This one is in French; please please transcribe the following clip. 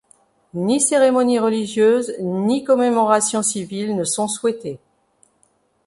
Ni cérémonies religieuses, ni commémorations civiles ne sont souhaitées.